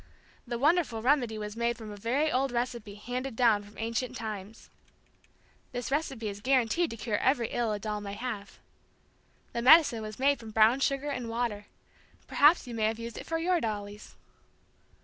The wonderful remedy was made from a very old recipe handed down from ancient times. This recipe is guaranteed to cure every ill a doll may have. The medicine was made from brown sugar and water. Perhaps you may have used it for your dollies.